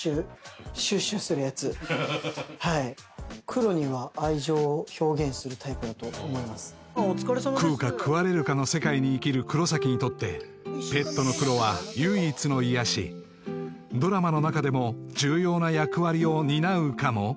クロには愛情を表現するタイプだと思います喰うか喰われるかの世界に生きる黒崎にとってペットのクロは唯一の癒やしドラマの中でも重要な役割を担うかも？